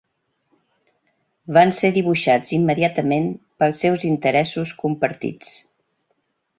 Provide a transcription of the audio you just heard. Van ser dibuixats immediatament pels seus interessos compartits.